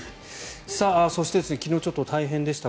そして昨日ちょっと大変でした。